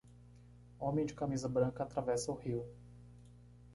Homem de camisa branca atravessa o rio.